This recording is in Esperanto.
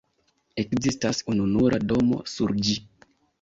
Ekzistas ununura domo sur ĝi.